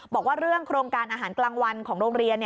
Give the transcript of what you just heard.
บอกว่าเรื่องโครงการอาหารกลางวันของโรงเรียน